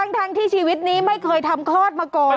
ทั้งที่ชีวิตนี้ไม่เคยทำคลอดมาก่อน